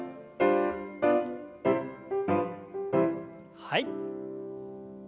はい。